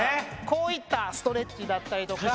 こういったストレッチだったりとか。